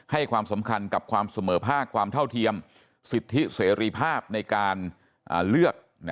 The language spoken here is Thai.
ให้ความสำคัญกับความเสมอภาคความเท่าเทียมสิทธิเสรีภาพในการเลือก